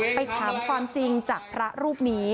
ไปถามความจริงจากพระรูปนี้